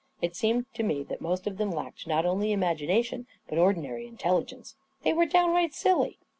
It seemed to me that most of them lacked not only imagination, but ordinary intelligence. They were downright silly.